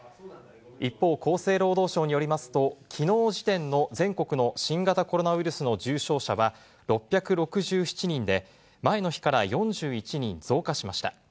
一方、厚生労働省によりますと、きのう時点の全国の新型コロナウイルスの重症者は６６７人で、前の日から４１人増加しました。